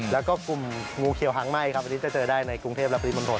แล้วก็กลุ่มงูเขียวหางไหม้ครับวันนี้จะเจอได้ในกรุงเทพและปริมณฑล